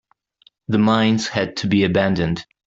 The mines had to be abandoned.